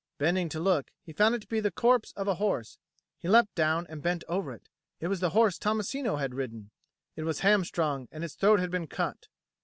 Bending to look, he found it to be the corpse of a horse: he leapt down and bent over it. It was the horse Tommasino had ridden; it was hamstrung, and its throat had been cut.